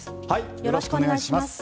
よろしくお願いします。